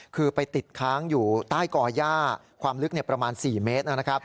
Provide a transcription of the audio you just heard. คือไปติดค้างอยู่ใต้ก่อย่าความลึกประมาณ๔เมตรนะครับ